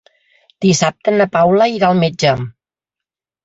Dissabte na Paula irà al metge.